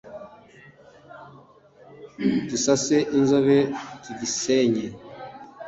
dusase inzobe tugisenye